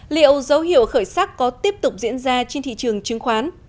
liệu dấu hiệu khởi sắc có tiếp tục diễn ra trên thị trường chứng khoán